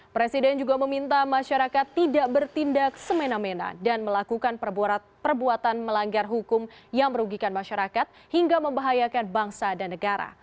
presiden juga meminta masyarakat tidak bertindak semena mena dan melakukan perbuatan melanggar hukum yang merugikan masyarakat hingga membahayakan bangsa dan negara